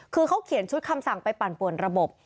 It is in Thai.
คือเขาเขียนชุดคำสั่งไปปั่นป่วนระบบ